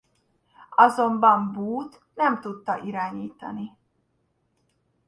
Azonban Buut nem tudta irányítani.